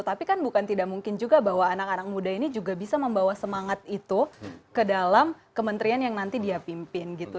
tapi kan bukan tidak mungkin juga bahwa anak anak muda ini juga bisa membawa semangat itu ke dalam kementerian yang nanti dia pimpin gitu